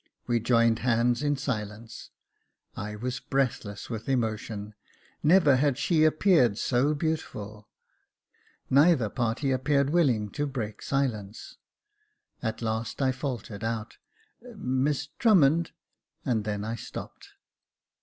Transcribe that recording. We joined hands in silence. I was breathless with emotion. Never had she appeared so beautiful. Neither party appeared willing to break silence : at last I faltered out, " Miss Drummond," — and then I stopped.